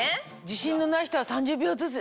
自信のない人は３０秒ずつ。